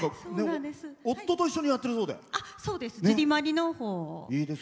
夫と一緒にやってるそうで。